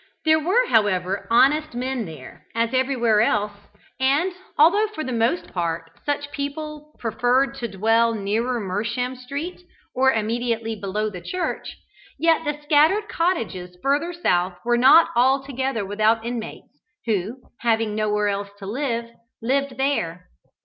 There were, however, honest men there, as everywhere else; and, although for the most part such people preferred to dwell nearer Mersham street or immediately below the church, yet the scattered cottages further south were not altogether without inmates, who, having nowhere else to live, lived there.